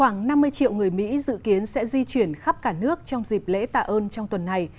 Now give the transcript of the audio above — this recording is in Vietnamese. nhiều người mỹ dự kiến sẽ di chuyển khắp cả nước trong dịp lễ tạ ơn trong tuần này